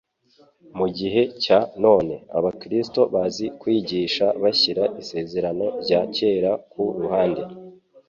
Mu gihe cya none, abakristo bazi kwigisha bashyira Isezerano rya kera ku ruhande